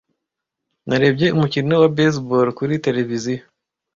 Narebye umukino wa baseball kuri tereviziyo.